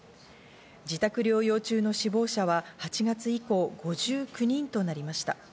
自宅療養中の死亡者は８月以降、５９人となりました。